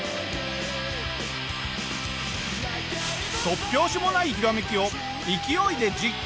突拍子もないひらめきを勢いで実行！